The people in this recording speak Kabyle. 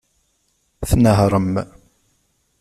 Tnehṛem.